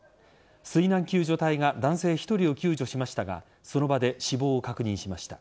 水難救助隊が男性１人を救助しましたがその場で死亡を確認しました。